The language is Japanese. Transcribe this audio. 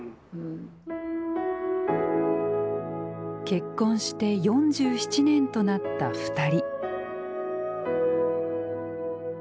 結婚して４７年となった２人。